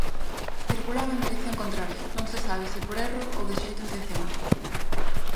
Circulaba en dirección contraria, non se sabe se por erro ou de xeito intencionado.